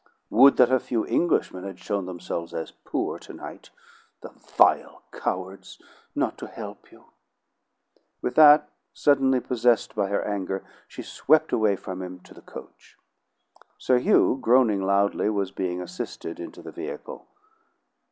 "Would that a few Englishmen had shown themselves as 'poor' tonight. The vile cowards, not to help you!" With that, suddenly possessed by her anger, she swept away from him to the coach. Sir Hugh, groaning loudly, was being assisted into the vehicle.